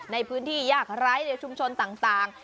ในพื้นที่ยากไร้ในชุมชนต่าง